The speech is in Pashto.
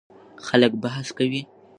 خلک بحث کوي.